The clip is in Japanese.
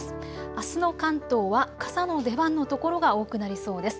あすの関東は傘の出番の所が多くなりそうです。